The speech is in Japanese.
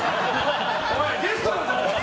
お前、ゲストだぞ！